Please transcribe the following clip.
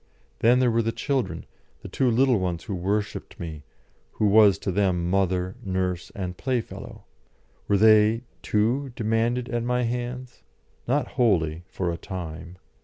Then there were the children, the two little ones who worshipped me, who was to them mother, nurse, and playfellow. Were they, too, demanded at my hands? Not wholly for a time.